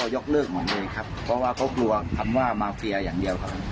ยกเลิกหมดเลยครับเพราะว่าเขากลัวคำว่ามาเฟียอย่างเดียวครับ